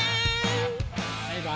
バイバイ！